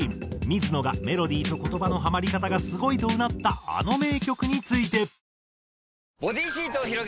水野がメロディーと言葉のハマり方がすごいとうなったあの名曲について。